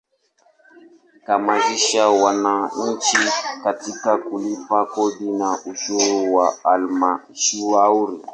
Kuhamasisha wananchi katika kulipa kodi na ushuru wa Halmashauri.